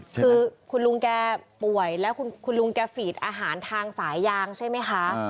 คือคุณลุงแกป่วยแล้วคุณลุงแกฝีดอาหารทางสายยางใช่ไหมคะ